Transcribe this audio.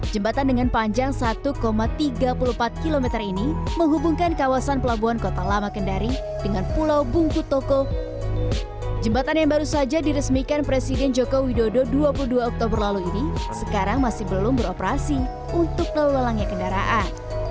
jembatan yang baru saja diresmikan presiden joko widodo dua puluh dua oktober lalu ini sekarang masih belum beroperasi untuk lalu lalangnya kendaraan